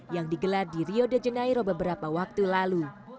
yang digelar di rio de janeiro beberapa waktu lalu